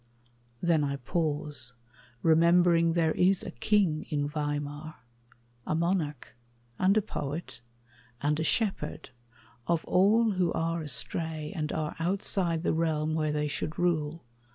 Then I pause, Remembering there is a King in Weimar A monarch, and a poet, and a shepherd Of all who are astray and are outside The realm where they should rule.